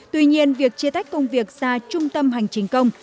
tuy nhiên việc chia tách công việc ra trung tâm hành chính công